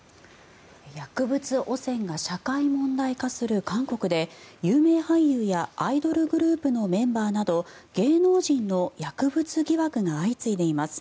薬物汚染が社会問題化する韓国で有名俳優やアイドルグループのメンバーなど芸能人の薬物疑惑が相次いでいます。